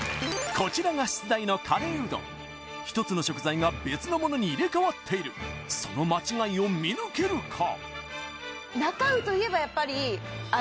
こちらが出題のカレーうどん１つの食材が別のものに入れ替わっているその間違いを見抜けるか？